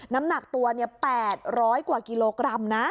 น้ำหนักตัว๘๐๐กว่ากิโลกรัมนะ